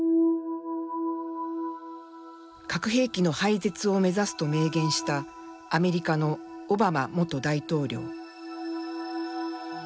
核兵器の廃絶を目指すと明言したアメリカのオバマ元大統領。